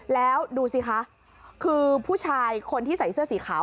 แล้วดูสิคะคือผู้ชายคนที่ใส่เสื้อสีขาว